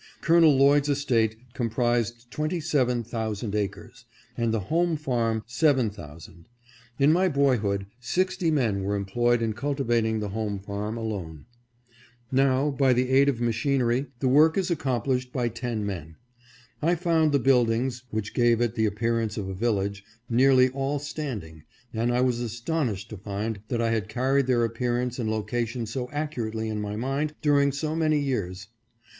Col. Lloyd's estate comprised twenty seven thousand acres, and the home farm seven thousand. In my boyhood six ty men were employed in cultivating the home farm alone. 542 EVERYTHING MUCH THE SAME. Now, by the aid of machinery, the work is accomplished by ten men. 1 found the buildings, which gave it the ap pearance of a village, nearly all standing, and I was as tonished to find that I had carried their appearance and location so accurately in my mind during so many years.